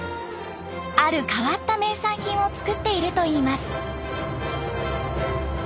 ある変わった名産品を作っているといいます。